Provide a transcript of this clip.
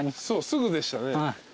そうすぐでしたね。